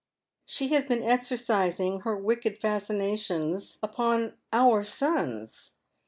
She has been exercising her wicked fascinations upon our sons.